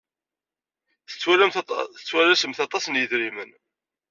Tettwalasemt aṭas n yidrimen.